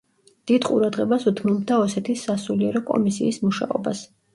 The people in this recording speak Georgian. დიდ ყურადღებას უთმობდა ოსეთის სასულიერო კომისიის მუშაობას.